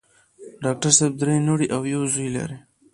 ډاکټر صېب درې لوڼه او يو زوے لري